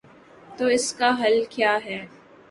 تو اس کا حل کیا ہے؟